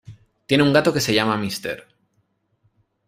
Tiene un gato que se llama Mr.